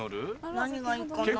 何がいいかな。